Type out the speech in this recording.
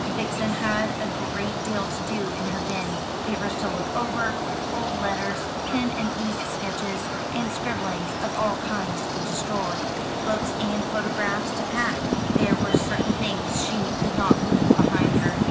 Vixen had a great deal to do in her den; papers to look over, old letters, pen and ink sketches, and scribblings of all kinds to destroy, books and photographs to pack. There were certain things she could not leave behind her.